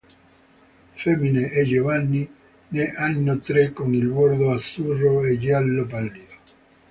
Femmine e giovani ne hanno tre, con il bordo azzurro o giallo pallido.